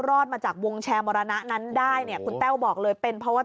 รอดมาจากวงแชร์มรณะนั้นได้เนี่ยคุณแต้วบอกเลยเป็นเพราะว่า